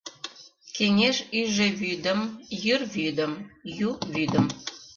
Кеҥеж ӱжӧ вӱдым, йӱр вӱдым, ю вӱдым —